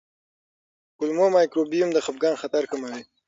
کولمو مایکروبیوم د خپګان خطر کموي.